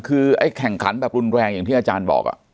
คือไอ้แข่งขันแบบรุนแรงอย่างที่อาจารย์บอก